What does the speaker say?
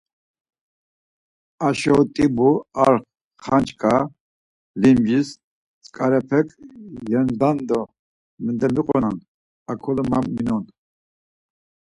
Aşo t̆ibu, ar xanç̌a limcis tzǩarepek yemzdan do mendamiqonan akolen ma minon.